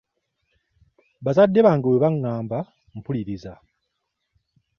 Bazadde bange bwebangamba mpuliriza.